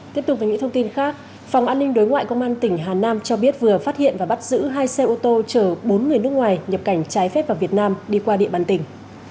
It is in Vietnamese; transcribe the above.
tiếp tục với những thông tin khác phòng an ninh đối ngoại công an tỉnh hà nam cho biết vừa phát hiện và bắt giữ hai xe ô tô chở bốn người nước ngoài nhập cảnh trái phép vào việt nam đi qua địa bàn tỉnh